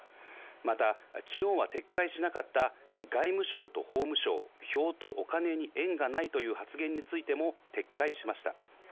また昨日は撤回しなかった外務省と法務省、票とお金に縁がないという発言についても撤回しました。